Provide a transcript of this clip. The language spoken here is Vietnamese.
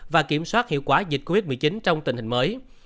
và kiểm soát hiệu quả dịch covid một mươi chín trong tình hình mới